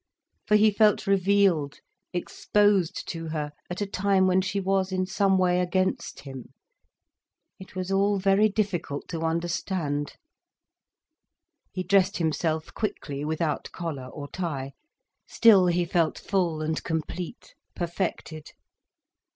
For he felt revealed, exposed to her, at a time when she was in some way against him. It was all very difficult to understand. He dressed himself quickly, without collar or tie. Still he felt full and complete, perfected.